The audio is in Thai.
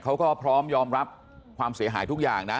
เขาก็พร้อมยอมรับความเสียหายทุกอย่างนะ